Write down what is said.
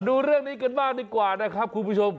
ดูเรื่องนี้กันบ้างดีกว่านะครับคุณผู้ชม